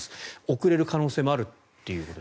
遅れる可能性もあると。